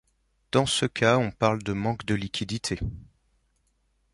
Dans ce cas on parle de manque de liquidités.